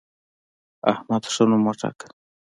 احمد ښه نوم وګاټه.